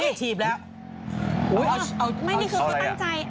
ไม่นี่คือกำลังใจ